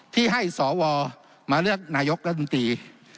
ที่ให้สวมาเลือกนายกรัฐมนตรี